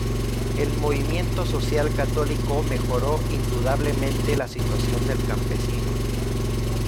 El movimiento social católico mejoró indudablemente la situación del campesino.